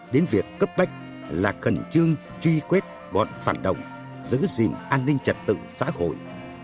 đến việc cấp bách là khẩn trương truy quét bọn phản động giữ gìn an ninh trật tự xã hội